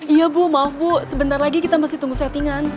iya bu maaf bu sebentar lagi kita masih tunggu settingan